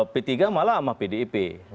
p tiga malah sama pdip